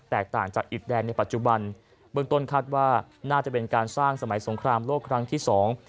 ต่างจากอิดแดนในปัจจุบันเบื้องต้นคาดว่าน่าจะเป็นการสร้างสมัยสงครามโลกครั้งที่สอง